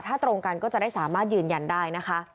ถ้าตรงกันก็จะได้สามารถยืนยันได้นะคะ